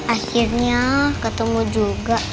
akhirnya ketemu juga